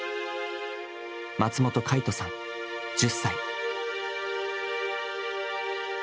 松本魁翔さん、１０歳。